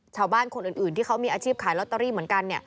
ชาวบ้านคนอื่นที่เขามีอาชีพขายลอตเตอรี่เหมือนกัน